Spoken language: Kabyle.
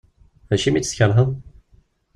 Acimi i tt-tkerheḍ?